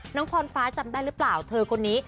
พรฟ้าจำได้หรือเปล่าเธอคนนี้